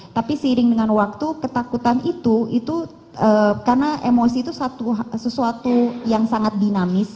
tapi seiring dengan waktu ketakutan itu itu karena emosi itu sesuatu yang sangat dinamis